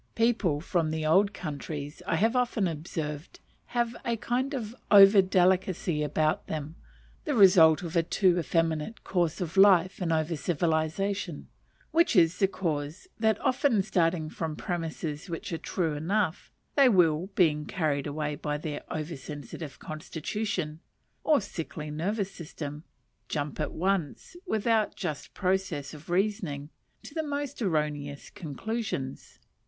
People from the old countries I have often observed to have a kind of over delicacy about them, the result of a too effeminate course of life and over civilization; which is the cause that, often starting from premises which are true enough, they will, being carried away by their over sensitive constitution or sickly nervous system, jump at once, without any just process of reasoning, to the most erroneous conclusions.